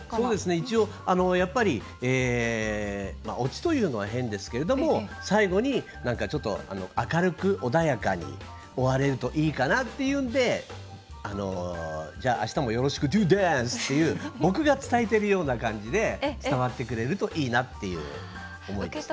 一応、やっぱりオチというのは変ですけれども最後に明るく穏やかに終われるといいかなっていうんで「じゃあ、あしたもよろしくＤＯＤＡＮＣＥ！」っていう僕が伝えてるような感じで伝わってくれるといいなっていう思いです。